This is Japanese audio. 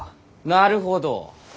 なるほど。